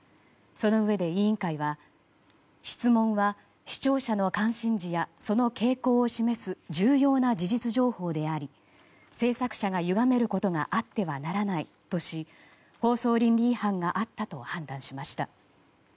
そのうえで、委員会は質問は視聴者の関心事やその傾向を示す重要な事実情報であり製作者がゆがめることがあってはならないとし放送倫理違反があったと判断しました。